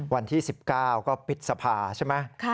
วันที่๑๙ก็ปิดสภาใช่ไหม